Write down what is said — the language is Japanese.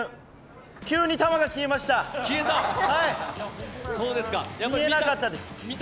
急に球が消えました、見えなかったです。